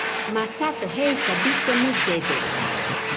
Masato jeika bite mullede.